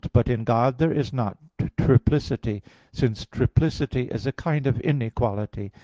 But in God there is not triplicity; since triplicity is a kind of inequality.